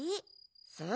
そう。